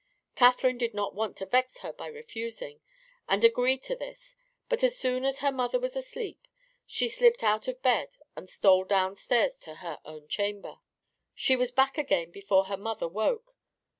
Catherine did not want to vex her by refusing, and agreed to this, but as soon as her mother was asleep she slipped out of bed and stole down stairs to her own chamber. She was back again before her mother woke.